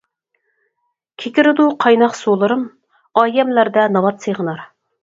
كېكىرىدۇ قايناق سۇلىرىم، ئايەملەردە ناۋات سېغىنار.